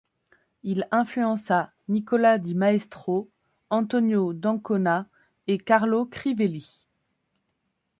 Il influença Nicola di Maestro Antonio d'Ancona et Carlo Crivelli.